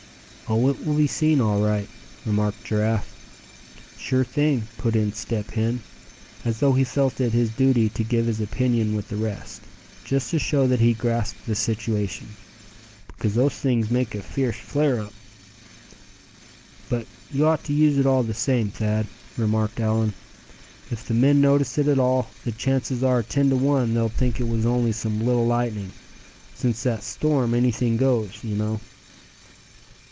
"Oh! it will be seen, all right," remarked Giraffe. "Sure thing," put in Step Hen, as though he felt it his duty to give his opinion with the rest, just to show that he grasped the situation; "because those things make a fierce flare up." "But you ought to use it, all the same, Thad," remarked Allan. "If the men notice it at all, the chances are ten to one they'll think it was only some little lightning. Since that storm anything goes, you know."